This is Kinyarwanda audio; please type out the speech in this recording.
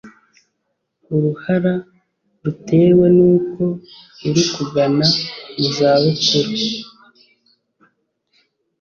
Uruhara rutewe nuko uri kugana mu izabukuru